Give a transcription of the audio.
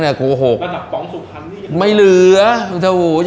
กระดับสกองสุขรรค์